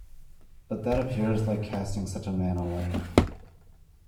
But that appears like casting such a man away.